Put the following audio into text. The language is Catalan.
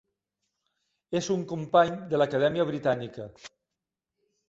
És un company de l'Acadèmia Britànica.